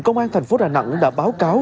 công an thành phố đà nẵng đã báo cáo